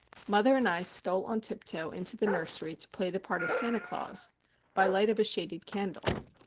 Mother and I stole on tiptoe into the nursery to play the part of Santa Claus, by light of a shaded candle.